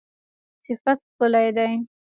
صفت ښکلی دی